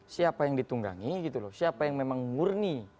siapa yang ditunggangi gitu loh siapa yang memang murni